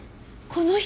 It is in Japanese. この人。